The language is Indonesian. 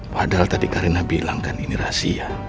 padahal tadi karina bilang kan ini rahasia